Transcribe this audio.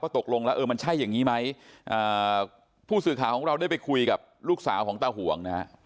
ตกลงแล้วเออมันใช่อย่างนี้ไหมผู้สื่อข่าวของเราได้ไปคุยกับลูกสาวของตาห่วงนะฮะ